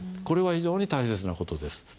これは非常に大切な事です。